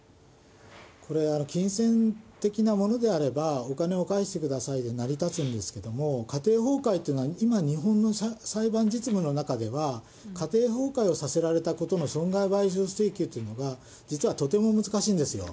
これ、金銭的なものであれば、お金を返してくださいで、成り立つんですけれども、家庭崩壊というのは今、日本の裁判実務の中では、家庭崩壊をさせられたことの損害賠償請求というのが、実はとても難しいんですよ。